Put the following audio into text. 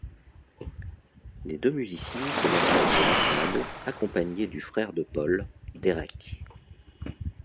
Les deux musiciens commencent à jouer ensemble accompagnés du frère de Pól, Derek.